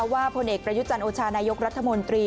พลเอกประยุจันโอชานายกรัฐมนตรี